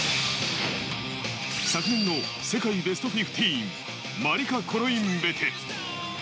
昨年の世界ベストフィフティーン、マリカ・コロインベテ。